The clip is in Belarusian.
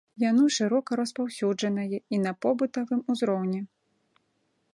Яно шырока распаўсюджанае і на побытавым узроўні.